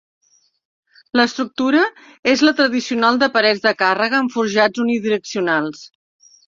L'estructura és la tradicional de parets de càrrega amb forjats unidireccionals.